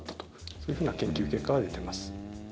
そういうふうな研究結果が出ています。